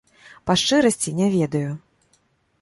Па шчырасці, не ведаю.